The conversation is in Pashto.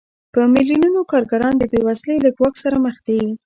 په میلیونونو کارګران د بېوزلۍ له ګواښ سره مخ دي